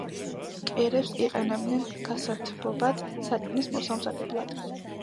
კერებს იყენებდნენ გასათბობად, საჭმლის მოსამზადებლად.